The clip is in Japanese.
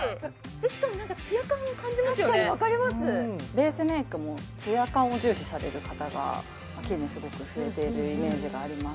確かに分かりますベースメイクもツヤ感を重視される方が近年すごく増えているイメージがあります